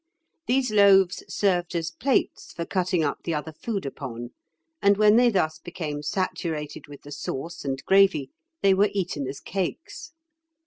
These loaves served as plates for cutting up the other food upon, and when they thus became saturated with the sauce and gravy they were eaten as cakes.